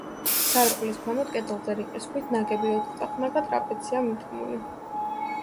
სარკმლის ქვემოთ, კედელზე, რიყის ქვით ნაგები ოთხწახნაგა ტრაპეზია მიდგმული.